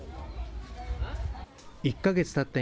１か月たった